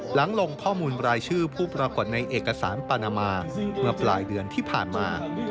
ลงข้อมูลรายชื่อผู้ปรากฏในเอกสารปานามาเมื่อปลายเดือนที่ผ่านมา